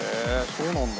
そうなんだ。